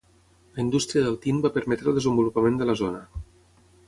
La indústria del tint va permetre el desenvolupament de la zona.